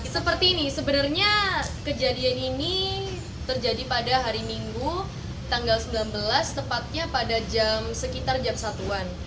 seperti ini sebenarnya kejadian ini terjadi pada hari minggu tanggal sembilan belas tepatnya pada jam sekitar jam satu an